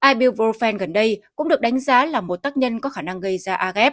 ibuprofen gần đây cũng được đánh giá là một tác nhân có khả năng gây ra agep